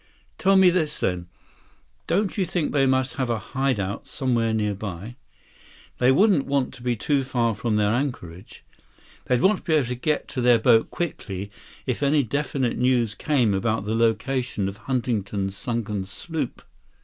"Tell me this, then. Don't you think they must have a hideout somewhere nearby? They wouldn't want to be too far from their anchorage. They'd want to be able to get to their boat quickly if any definite news came about the location of Huntington's sunken sloop."